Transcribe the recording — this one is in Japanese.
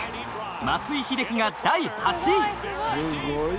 松井秀喜が第８位。